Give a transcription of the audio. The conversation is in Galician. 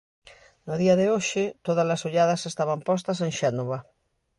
No día de hoxe, todas as olladas estaban postas en Xénova.